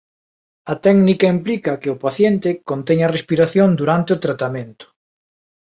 A técnica implica que o paciente conteña a respiración durante o tratamento.